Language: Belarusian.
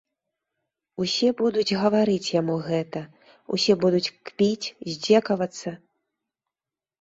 Усе будуць гаварыць яму гэта, усе будуць кпіць, здзекавацца.